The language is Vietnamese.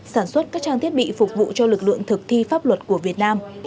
sản xuất các trang thiết bị phục vụ cho lực lượng thực thi pháp luật của việt nam